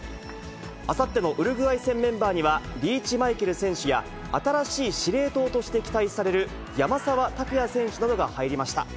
あさってのウルグアイ戦メンバーには、リーチマイケル選手や、新しい司令塔として期待される、山沢拓也選手などが入りました。